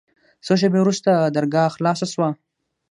څو شېبې وروسته درګاه خلاصه سوه.